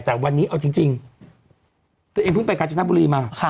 แต่วันนี้เอาจริงตัวเองเพิ่งไปกาญจนบุรีมา